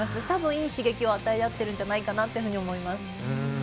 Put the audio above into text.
多分いい刺激を与え合っているんじゃないかと思います。